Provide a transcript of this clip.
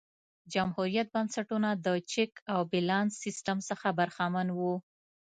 جمهوريت بنسټونه د چک او بیلانس سیستم څخه برخمن وو.